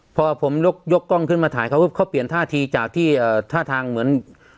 พอผมยกกล้องขึ้นมาถ่ายเขาก็เปลี่ยนท่าทีจากที่ท่าทางเหมือน